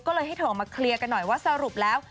ก็เลยให้เธอออกมาเคลียร์กันหน่อยว่าสรุปแล้ว